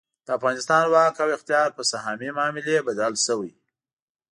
د افغانستان واک او اختیار په سهامي معاملې بدل شوی.